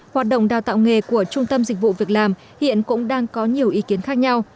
hoạt động đào tạo nghề của trung tâm dịch vụ việc làm hiện cũng đang có nhiều ý kiến khác nhau